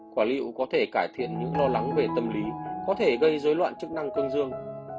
quả liệu có thể cải thiện những lo lắng về tâm lý có thể gây dối loạn chức năng cơn dương